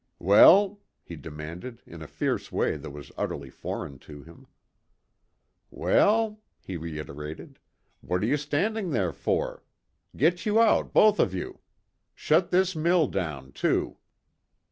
"Well?" he demanded, in a fierce way that was utterly foreign to him. "Well?" he reiterated, "what are you standing there for? Get you out, both of you. Shut this mill down, too!"